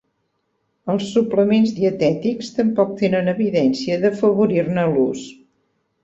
Els suplements dietètics tampoc tenen evidències d'afavorir-ne l'ús.